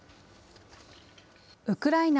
ウクライナ